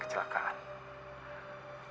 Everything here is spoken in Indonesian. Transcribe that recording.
kami sudah mengangkat semua mobil korban kita